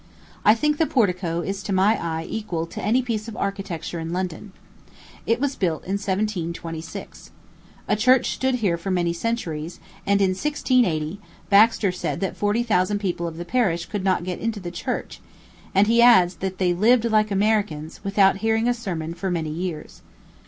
I think the portico is to my eye equal to any piece of architecture in London. It was built in 1726. A church stood here for many centuries; and in 1680, Baxter said that forty thousand people of the parish could not get into the church; and he adds that they "lived like Americans, without hearing a sermon for many years."